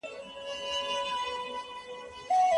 د څېړني لارښود د ادارې لخوا ټاکل کېږي.